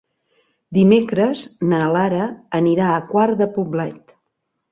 Dimecres na Lara anirà a Quart de Poblet.